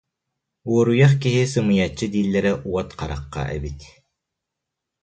Уоруйах киһи сымыйаччы дииллэрэ уот харахха эбит